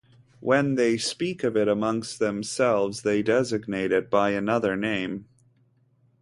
When they speak of it amongst themselves they designate it by another name.